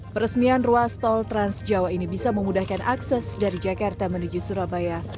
peresmian ruas tol trans jawa ini bisa memudahkan akses dari jakarta menuju surabaya